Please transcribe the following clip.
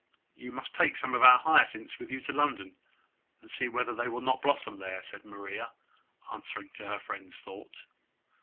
"You must take some of our hyacinths with you to London, and see whether they will not blossom there," said Maria, answering to her friend's thought.